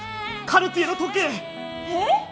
カルティエの時計！